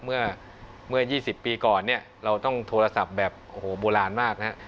เมื่อ๒๐ปีก่อนเราต้องโทรศัพท์แบบโบราณมากนะครับ